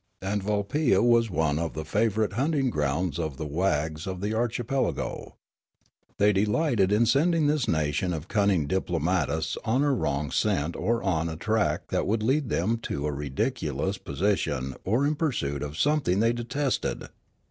And Vulpia was one of the favourite hunting grounds of the wags of the archipelago. They delighted in sending this nation of cunning diplomatists on a wrong scent or on a track that would lead them into a ridicu lous position or in pursuit of something thej^ detested.